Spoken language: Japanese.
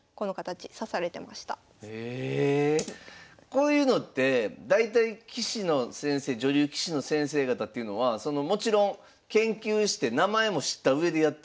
こういうのって大体棋士の先生女流棋士の先生方っていうのはもちろん研究して名前も知ったうえでやっておられるんですか？